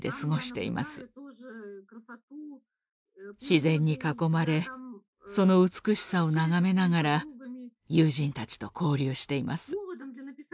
自然に囲まれその美しさを眺めながら友人たちと交流しています。